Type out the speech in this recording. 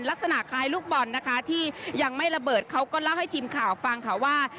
ลักษณะคล้ายลูกบอลนะคะที่ยังไม่ระเบิดเขาก็เล่าให้ทีมข่าวฟังค่ะว่า